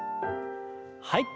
はい。